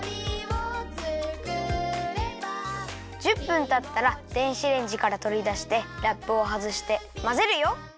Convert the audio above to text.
１０分たったら電子レンジからとりだしてラップをはずしてまぜるよ。